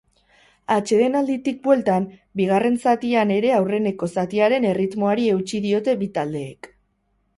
Atsedenalditik bueltan, bigarren zatian ere aurreneko zatiaren erritmoari eutsi diote bi taldeek.